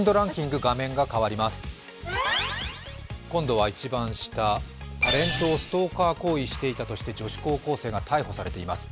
今度は一番下、タレントをストーカー行為していたとして女子高校生が逮捕されています。